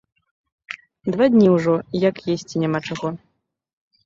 Два дні ўжо, як есці няма чаго.